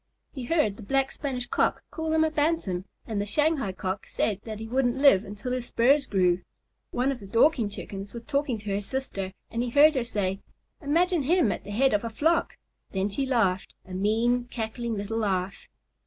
He heard the Black Spanish Cock call him a Bantam, and the Shanghai Cock say that he wouldn't live until his spurs grew. One of the Dorking Chickens was talking to her sister, and he heard her say, "Imagine him at the head of a flock!" Then she laughed, a mean, cackling little laugh.